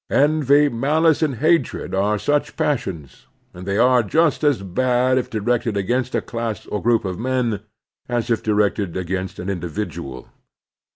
Envy, malice, and hatred are such passions, and they are just as bad if directed against a class or group of men as if directed against an individual.